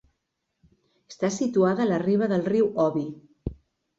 Està situada a la riba del riu Obi.